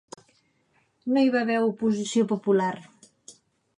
No hi va haver oposició popular.